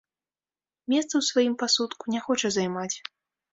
Месца ў сваім пасудку не хоча займаць.